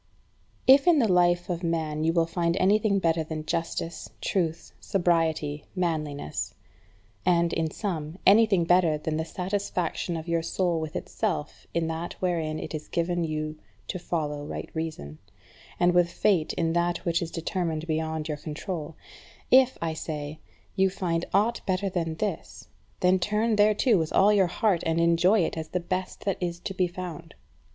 6. If in the life of man you find anything better than justice, truth, sobriety, manliness; and, in sum, anything better than the satisfaction of your soul with itself in that wherein it is given to you to follow right reason; and with fate in that which is determined beyond your control; if, I say, you find aught better than this, then turn thereto with all your heart, and enjoy it as the best that is to be found.